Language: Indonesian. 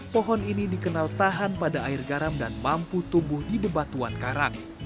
pohon ini dikenal tahan pada air garam dan mampu tumbuh di bebatuan karang